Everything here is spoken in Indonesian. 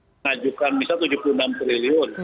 mengajukan misal tujuh puluh enam triliun